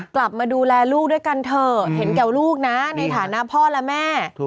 กลับมาดูแลลูกด้วยกันเถอะเห็นแก่ลูกนะในฐานะพ่อและแม่